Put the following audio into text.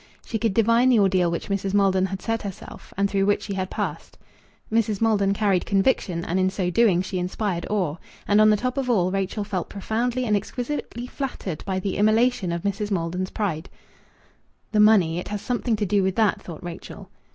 She could divine the ordeal which Mrs. Maldon had set herself and through which she had passed. Mrs. Maldon carried conviction, and in so doing she inspired awe. And on the top of all Rachel felt profoundly and exquisitely flattered by the immolation of Mrs. Maiden's pride. "The money it has something to do with that!" thought Rachel.